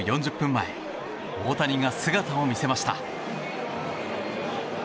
前大谷が姿を見せました。